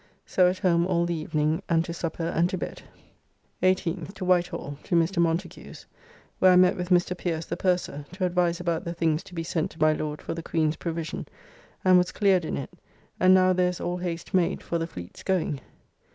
So at home all the evening and to supper and to bed. 18th. To White Hall, to Mr. Montagu's, where I met with Mr. Pierce, the purser, to advise about the things to be sent to my Lord for the Queen's provision, and was cleared in it, and now there is all haste made, for the fleet's going.